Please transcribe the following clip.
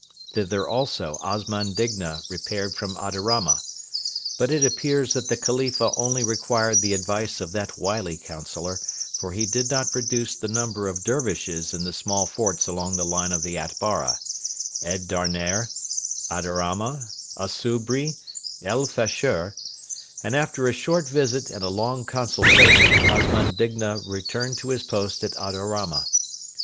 Thither also Osman Digna repaired from Adarama. But it appears that the Khalifa only required the advice of that wily councillor, for he did not reduce the number of Dervishes in the small forts along the line of the Atbara Ed Darner, Adarama, Asubri, El Fasher and after a short visit and a long consultation Osman Digna returned to his post at Adarama.